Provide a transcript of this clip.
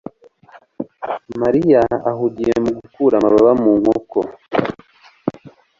mariya ahugiye mu gukura amababa mu nkoko